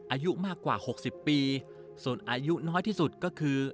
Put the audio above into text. อายุมากกว่า๖๐ปีส่วนอายุน้อยที่สุดก็คือ